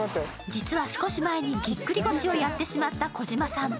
実は少し前にぎっくり腰をやってしまった児嶋さん。